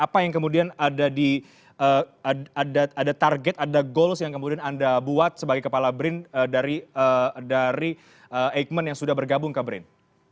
apa yang kemudian ada target ada goals yang kemudian anda buat sebagai kepala brin dari eijkman yang sudah bergabung ke brin